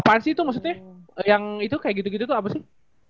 pan sih itu maksudnya yang itu kayak gitu gitu tuh apa sih